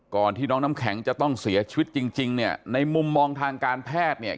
ก่อนที่น้องน้ำแข็งจะต้องเสียชีวิตจริงในมุมมองทางการแพทย์